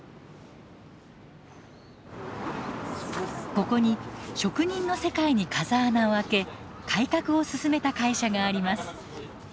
ここに職人の世界に風穴を開け改革を進めた会社があります。